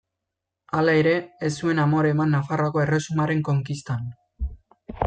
Hala ere, ez zuen amore eman Nafarroako Erresumaren konkistan.